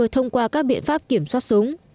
thông qua các biện pháp kiểm soát súng